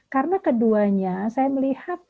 karena keduanya saya menemukan